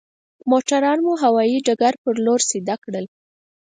موټران مو هوايي ډګر پر لور سيده کړل.